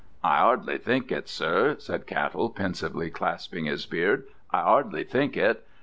"I 'ardly think it, sir," said Cattell, pensively clasping his beard. "I 'ardly think it.